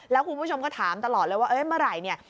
แล้วคุณผู้ชมก็ถามตลอดเลยว่าเมื่อไหร่เนี่ย